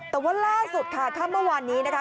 แต่ว่าล่าสุดค่ะค่ำเมื่อวานนี้นะคะ